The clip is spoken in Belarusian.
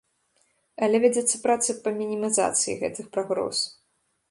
Але вядзецца праца па мінімізацыі гэтых пагроз.